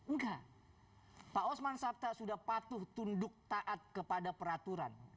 enggak pak osman sabta sudah patuh tunduk taat kepada peraturan